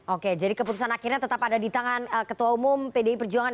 oke jadi keputusan akhirnya tetap ada di tangan ketua umum pdi perjuangan